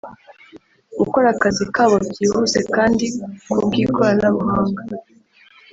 gukora akazi kabo byihuse kandi ku bw’ikoranabuhanga